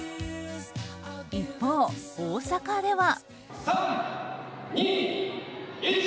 一方、大阪では。